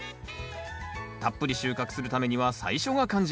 たっぷり収穫するためには最初が肝心。